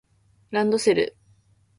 ランドセル